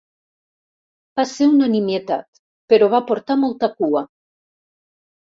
Va ser una nimietat, però va portar molta cua.